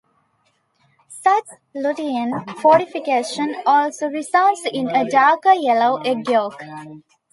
Such lutein fortification also results in a darker yellow egg yolk.